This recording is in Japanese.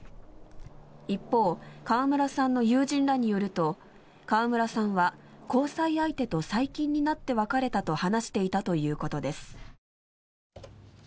一方、川村さんの友人らによると川村さんは交際相手と最近になって別れたと話していたということです。